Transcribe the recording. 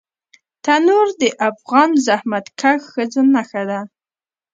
تنور د افغان زحمتکښ ښځو نښه ده